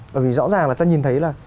bởi vì rõ ràng là ta nhìn thấy là